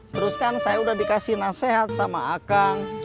terus kan saya udah dikasih nasihat sama akang